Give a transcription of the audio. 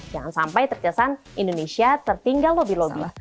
jangan sampai terkesan indonesia tertinggal lobby lobby